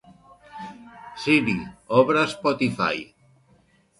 Siri, obre Spotify.